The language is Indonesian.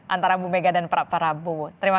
antara bu mega dan pak prabowo